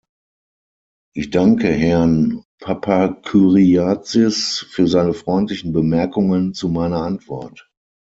Ich danke Herrn Papakyriazis für seine freundlichen Bemerkungen zu meiner Antwort.